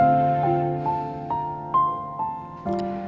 aku gak bisa tidur semalaman